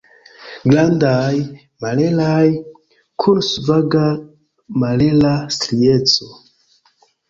Grandaj, malhelaj, kun svaga malhela strieco.